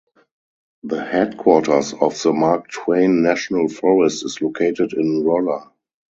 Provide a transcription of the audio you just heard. The headquarters of the Mark Twain National Forest is located in Rolla.